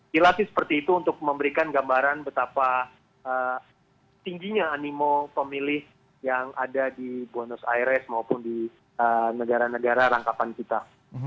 dilatih seperti itu untuk memberikan gambaran betapa tingginya animo pemilih yang ada di buenos aires maupun di negara negara rangkapan kita